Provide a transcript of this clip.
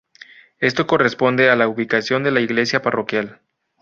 Esto corresponde a la ubicación de la iglesia parroquial.